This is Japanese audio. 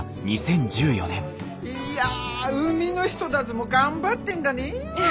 いや海の人だぢも頑張ってんだねえ。